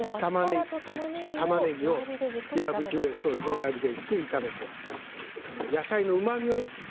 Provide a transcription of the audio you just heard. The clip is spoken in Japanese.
弱火でじっくり炒めて野菜のうまみをね